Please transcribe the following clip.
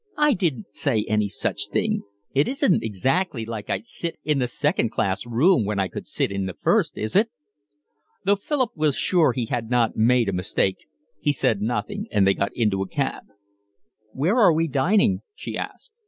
"I didn't say any such thing. It isn't exactly likely I'd sit in the second class room when I could sit in the first is it?" Though Philip was sure he had not made a mistake, he said nothing, and they got into a cab. "Where are we dining?" she asked.